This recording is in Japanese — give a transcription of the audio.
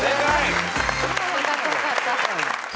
よかったよかった。